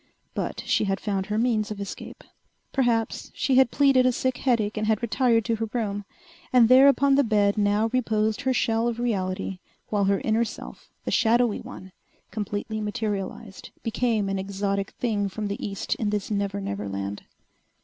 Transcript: But she had found her means of escape. Perhaps she had pleaded a sick headache and had retired to her room. And there upon the bed now reposed her shell of reality while her inner self, the shadowy one, completely materialized, became an exotic thing from the East in this never never land.